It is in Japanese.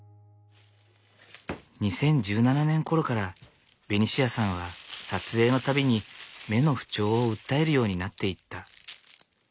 ２０１７年ころからベニシアさんは撮影の度に目の不調を訴えるようになっていった。